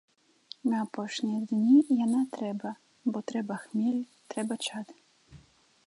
На апошнія дні яна трэба, бо трэба хмель, трэба чад.